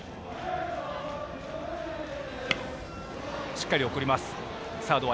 しっかり送ります。